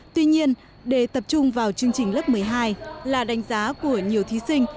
tuy nhiên để tập trung vào chương trình lớp một mươi hai là đánh giá của nhiều thí sinh